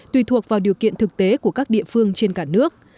tùy thuộc vào điều kiện thực tế của các địa phương trên cả nước